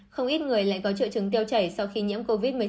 không ít người lại có triệu chứng tiêu chảy sau khi nhiễm covid một mươi chín